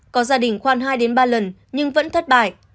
có gia đình khoan hai ba lần nhưng vẫn thất bại